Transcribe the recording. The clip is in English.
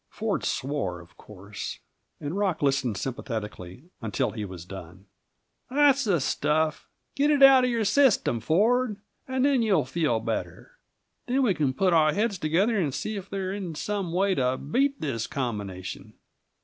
Ford swore, of course. And Rock listened sympathetically until he was done. "That's the stuff; get it out of your system, Ford, and then you'll feel better. Then we can put our heads together and see if there isn't some way to beat this combination."